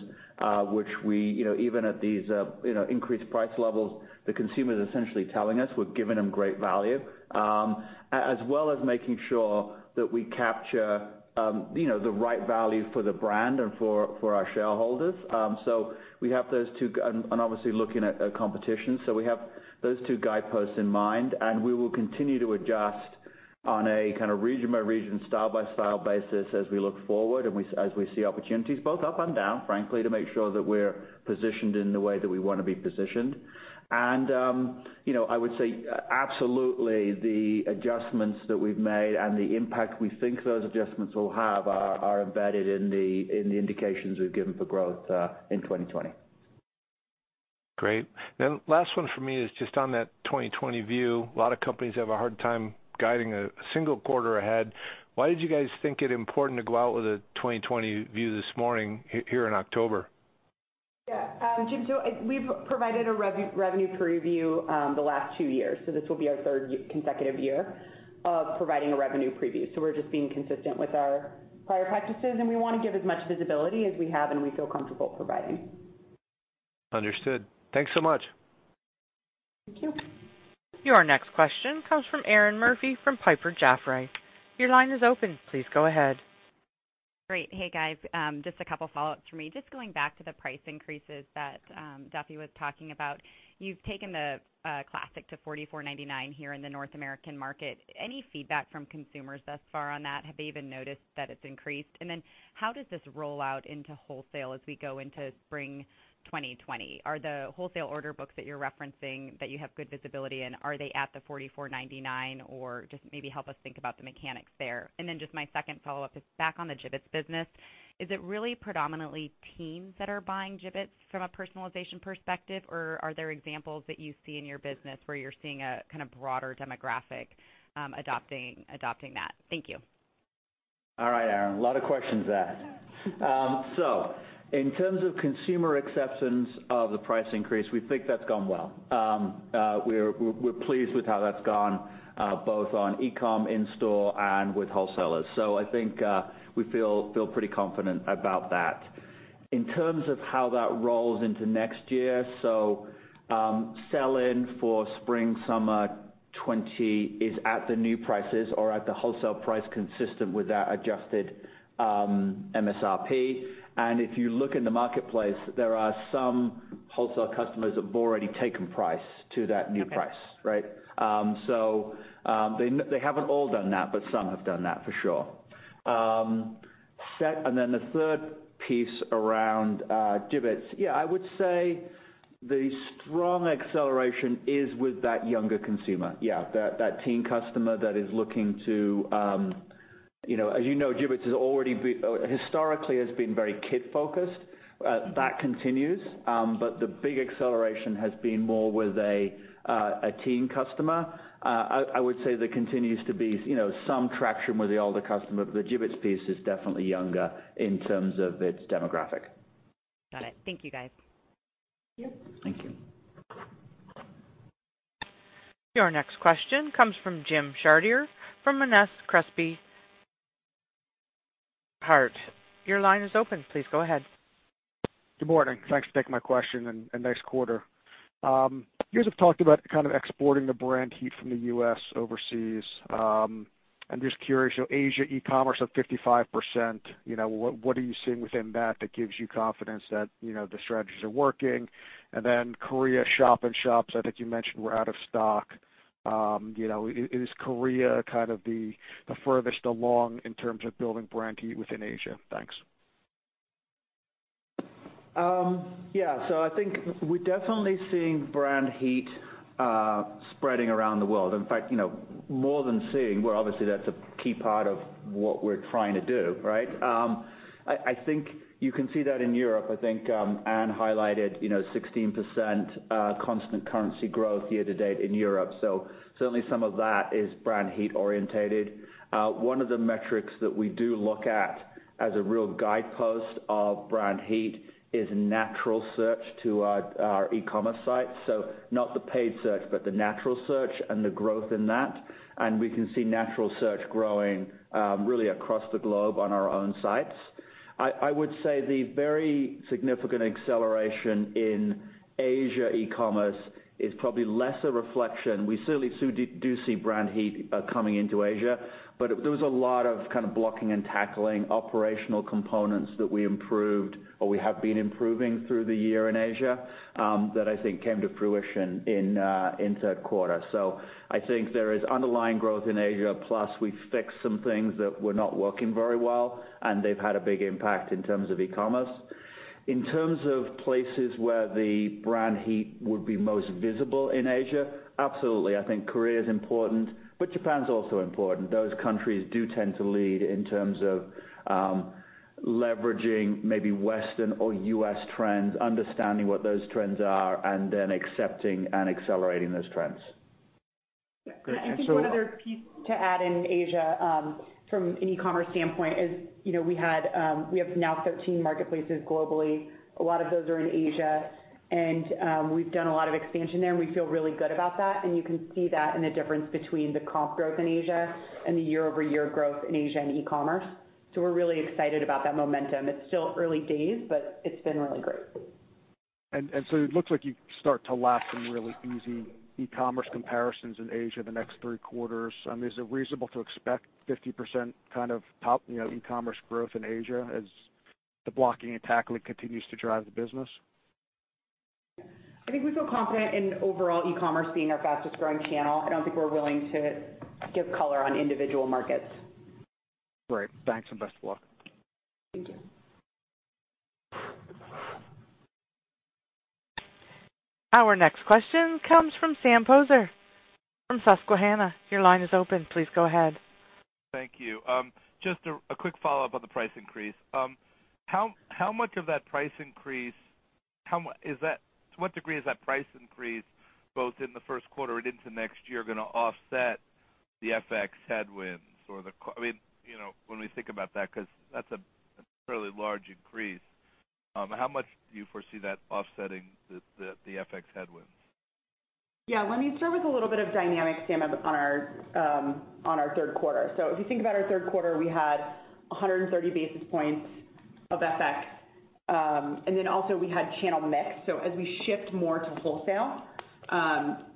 which even at these increased price levels, the consumer is essentially telling us we're giving them great value. As well as making sure that we capture the right value for the brand and for our shareholders. Obviously looking at competition. We have those two guideposts in mind, and we will continue to adjust on a region-by-region, style-by-style basis as we look forward and as we see opportunities both up and down, frankly, to make sure that we're positioned in the way that we want to be positioned. I would say absolutely the adjustments that we've made and the impact we think those adjustments will have are embedded in the indications we've given for growth in 2020. Great. Last one from me is just on that 2020 view. A lot of companies have a hard time guiding a single quarter ahead. Why did you guys think it important to go out with a 2020 view this morning here in October? Yeah. Jim, we've provided a revenue preview the last two years. This will be our third consecutive year of providing a revenue preview. We're just being consistent with our prior practices, and we want to give as much visibility as we have and we feel comfortable providing. Understood. Thanks so much. Thank you. Your next question comes from Erinn Murphy from Piper Jaffray. Your line is open. Please go ahead. Great. Hey, guys. A couple follow-ups from me. Going back to the price increases that Duffy was talking about. You've taken the Classic to $44.99 here in the North American market. Any feedback from consumers thus far on that? Have they even noticed that it's increased? How does this roll out into wholesale as we go into Spring 2020? Are the wholesale order books that you're referencing, that you have good visibility in, are they at the $44.99? Just maybe help us think about the mechanics there. Just my second follow-up is back on the Jibbitz business. Is it really predominantly teens that are buying Jibbitz from a personalization perspective, or are there examples that you see in your business where you're seeing a kind of broader demographic adopting that? Thank you. All right, Erinn. A lot of questions there. In terms of consumer acceptance of the price increase, we think that's gone well. We're pleased with how that's gone, both on e-com, in store, and with wholesalers. I think we feel pretty confident about that. In terms of how that rolls into next year. Sell-in for spring/summer '20 is at the new prices or at the wholesale price consistent with that adjusted MSRP. If you look in the marketplace, there are some wholesale customers that have already taken price to that new price, right? They haven't all done that, but some have done that for sure. The third piece around Jibbitz. Yeah, I would say the strong acceleration is with that younger consumer. Yeah, that teen customer. As you know, Jibbitz historically has been very kid-focused. That continues, but the big acceleration has been more with a teen customer. I would say there continues to be some traction with the older customer, but the Jibbitz piece is definitely younger in terms of its demographic. Got it. Thank you, guys. Thank you. Your next question comes from Jim Chartier from Monness, Crespi, Hardt. Your line is open. Please go ahead. Good morning. Thanks for taking my question, and nice quarter. You guys have talked about kind of exporting the brand heat from the U.S. overseas. I'm just curious, Asia e-commerce up 55%, what are you seeing within that that gives you confidence that the strategies are working? Korea shop-in-shops, I think you mentioned, were out of stock. Is Korea kind of the furthest along in terms of building brand heat within Asia? Thanks. Yeah. I think we're definitely seeing brand heat spreading around the world. In fact, more than seeing, well, obviously that's a key part of what we're trying to do, right? I think you can see that in Europe. I think Anne highlighted 16% constant currency growth year-to-date in Europe, so certainly some of that is brand heat orientated. One of the metrics that we do look at as a real guidepost of brand heat is natural search to our e-commerce site. Not the paid search, but the natural search and the growth in that. We can see natural search growing, really across the globe on our own sites. I would say the very significant acceleration in Asia e-commerce is probably less a reflection. We certainly do see brand heat coming into Asia, but there was a lot of kind of blocking and tackling operational components that we improved, or we have been improving through the year in Asia, that I think came to fruition in third quarter. I think there is underlying growth in Asia, plus we fixed some things that were not working very well, and they've had a big impact in terms of e-commerce. In terms of places where the brand heat would be most visible in Asia, absolutely, I think Korea is important, but Japan is also important. Those countries do tend to lead in terms of leveraging maybe Western or U.S. trends, understanding what those trends are, and then accepting and accelerating those trends. Gotcha. I think one other piece to add in Asia, from an e-commerce standpoint is, we have now 13 marketplaces globally. A lot of those are in Asia. We've done a lot of expansion there, and we feel really good about that, and you can see that in the difference between the comp growth in Asia and the year-over-year growth in Asia and e-commerce. We're really excited about that momentum. It's still early days, but it's been really great. It looks like you start to lap some really easy e-commerce comparisons in Asia the next three quarters. Is it reasonable to expect 50% kind of top e-commerce growth in Asia as the blocking and tackling continues to drive the business? I think we feel confident in overall e-commerce being our fastest growing channel. I don't think we're willing to give color on individual markets. Great. Thanks, and best of luck. Thank you. Our next question comes from Sam Poser from Susquehanna. Your line is open. Please go ahead. Thank you. Just a quick follow-up on the price increase. To what degree is that price increase, both in the first quarter and into next year, going to offset the FX headwinds? When we think about that, because that's a fairly large increase, how much do you foresee that offsetting the FX headwinds? Yeah, let me start with a little bit of dynamics, Sam, on our third quarter. If you think about our third quarter, we had 130 basis points of FX, and then also we had channel mix. So as we shift more to wholesale,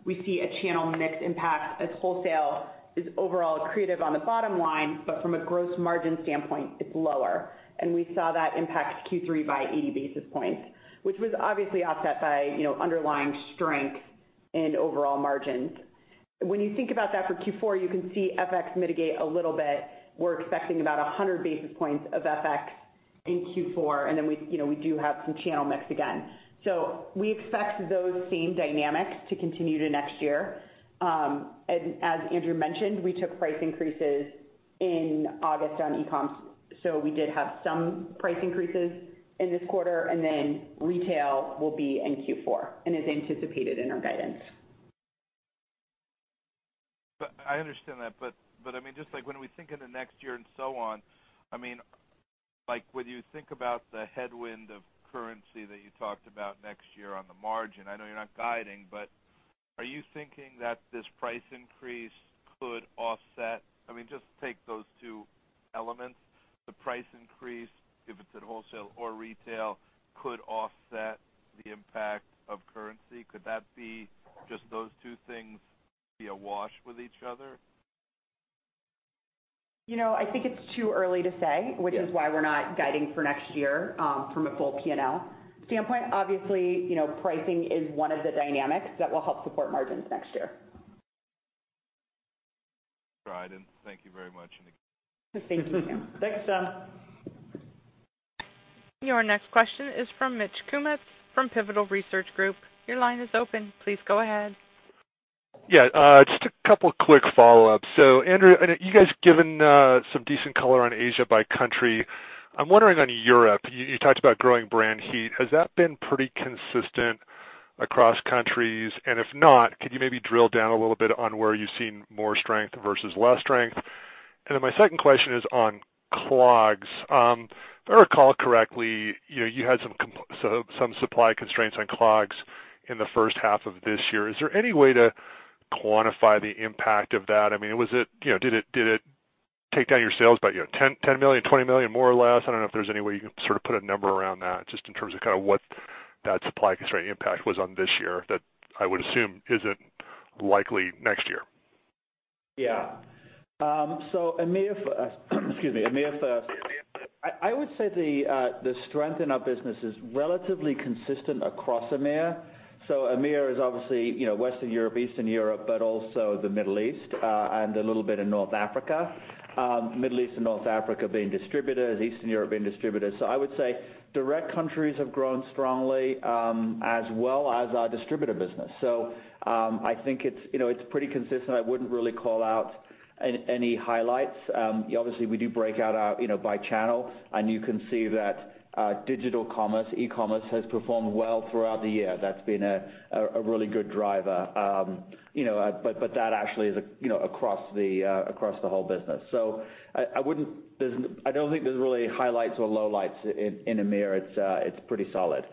we see a channel mix impact as wholesale is overall accretive on the bottom line, but from a gross margin standpoint, it's lower. We saw that impact Q3 by 80 basis points, which was obviously offset by underlying strength in overall margins. When you think about that for Q4, you can see FX mitigate a little bit. We're expecting about 100 basis points of FX in Q4, and then we do have some channel mix again. We expect those same dynamics to continue to next year. As Andrew mentioned, we took price increases in August on e-com. We did have some price increases in this quarter. Retail will be in Q4 and is anticipated in our guidance. I understand that. Just like when we think into next year and so on, when you think about the headwind of currency that you talked about next year on the margin, I know you're not guiding. Just take those two elements. The price increase, if it's at wholesale or retail, could offset the impact of currency. Could that be just those two things be awash with each other? I think it's too early to say. Yeah which is why we're not guiding for next year from a full P&L standpoint. Obviously, pricing is one of the dynamics that will help support margins next year. Right, and thank you very much. Thank you. Thanks, Sam. Your next question is from Mitch Kummetz from Pivotal Research Group. Your line is open. Please go ahead. Yeah. Just a couple quick follow-ups. Andrew, you guys have given some decent color on Asia by country. I'm wondering on Europe, you talked about growing brand heat. Has that been pretty consistent across countries? If not, could you maybe drill down a little bit on where you've seen more strength versus less strength? My second question is on clogs. If I recall correctly, you had some supply constraints on clogs in the first half of this year. Is there any way to quantify the impact of that? Did it take down your sales by $10 million, $20 million, more or less? I don't know if there's any way you can sort of put a number around that just in terms of what that supply constraint impact was on this year that I would assume isn't likely next year. Yeah. Excuse me, EMEIA first. I would say the strength in our business is relatively consistent across EMEIA. EMEIA is obviously Western Europe, Eastern Europe, but also the Middle East, and a little bit in North Africa. Middle East and North Africa being distributors, Eastern Europe being distributors. I would say direct countries have grown strongly, as well as our distributor business. I think it's pretty consistent. I wouldn't really call out any highlights. Obviously, we do break out by channel, and you can see that digital commerce, e-commerce has performed well throughout the year. That's been a really good driver. That actually is across the whole business. I don't think there's really highlights or lowlights in EMEIA. It's pretty solid.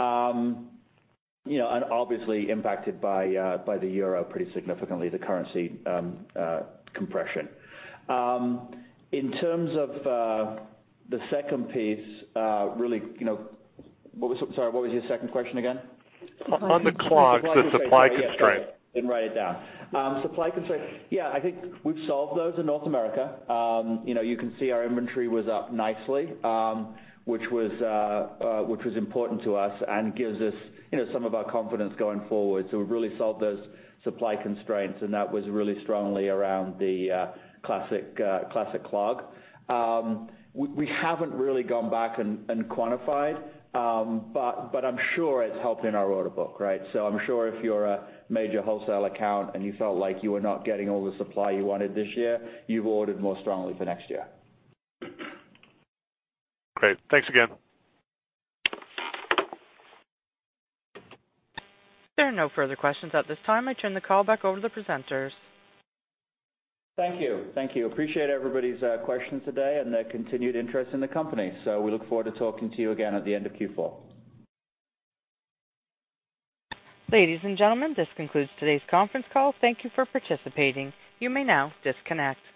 Obviously impacted by the euro pretty significantly, the currency compression. In terms of the second piece, really, sorry, what was your second question again? On the clogs, the supply constraint. Didn't write it down. Supply constraint. Yeah, I think we've solved those in North America. You can see our inventory was up nicely, which was important to us and gives us some of our confidence going forward. We really solved those supply constraints, and that was really strongly around the Classic Clog. We haven't really gone back and quantified. I'm sure it's helped in our order book, right? I'm sure if you're a major wholesale account and you felt like you were not getting all the supply you wanted this year, you've ordered more strongly for next year. Great. Thanks again. There are no further questions at this time. I turn the call back over to the presenters. Thank you. Appreciate everybody's questions today and the continued interest in the company. We look forward to talking to you again at the end of Q4. Ladies and gentlemen, this concludes today's conference call. Thank you for participating. You may now disconnect.